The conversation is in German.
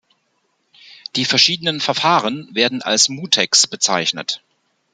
Die verschiedenen Verfahren werden als Mutex bezeichnet.